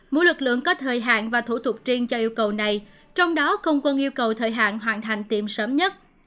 mỗi lực lượng có thời hạn và thủ tục riêng cho yêu cầu này trong đó không quân yêu cầu thời hạn hoàn thành tiệm sớm nhất